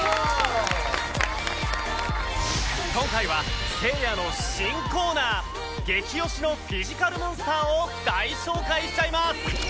今回はせいやの新コーナー激推しのフィジカルモンスターを大紹介しちゃいます！